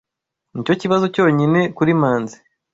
Nicyo kibazo cyonyine kuri Manzi.